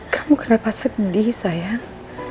kamu kenapa sedih sayang